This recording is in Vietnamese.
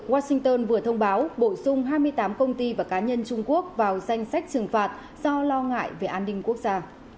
washington vừa thông báo bổ sung hai mươi tám công ty và cá nhân trung quốc vào danh sách trừng phạt do lo ngại về an ninh quốc gia